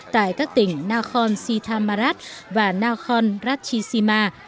tại các tỉnh nakhon sittamarat và nakhon ratchisima